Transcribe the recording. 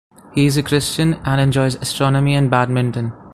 He is a Christian, and enjoys astronomy and badminton.